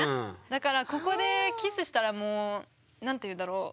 だからここでキスしたらもう何て言うんだろう